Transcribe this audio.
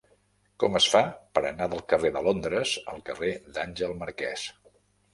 Com es fa per anar del carrer de Londres al carrer d'Àngel Marquès?